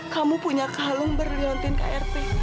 kamu punya kalung berliontin krp